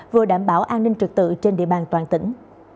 vừa đảm bảo an ninh trực tự trên địa bàn toàn tỉnh